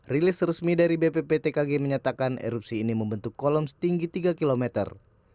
rilis resmi dari bpptkg menyatakan erupsi ini membentuk kolom setinggi tiga kilometer